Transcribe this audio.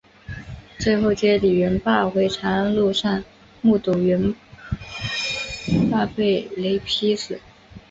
最后接李元霸回长安路上目睹元霸被雷劈死。